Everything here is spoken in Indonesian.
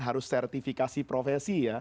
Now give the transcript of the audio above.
harus sertifikasi profesi